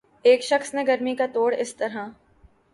ایک شخص نے گرمی کا توڑ اس طرح